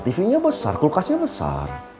tv nya besar kulkasnya besar